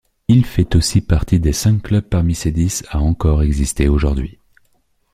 Il fait aussi partie des cinq clubs parmi ces dix à encore exister aujourd'hui.